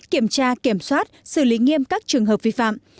kiểm tra kiểm soát xử lý nghiêm các trường hợp vi phạm